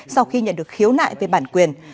sau khi nhận được khiếu nại về bản quyền